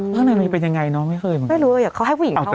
ข้างในมันเป็นยังไงเนาะไม่เคยไม่รู้เลยเขาให้ผู้หญิงเขา